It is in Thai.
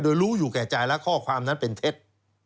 โดยรู้อยู่แก่ใจและข้อความนั้นเป็นเท็จ